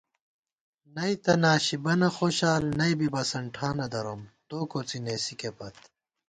نئیتہ ناشی بَنہ خوشال نئ بی بسَنٹھانہ دروم، تو کوڅی نېسِکےپت